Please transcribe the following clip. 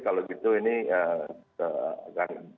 kalau gitu ini akan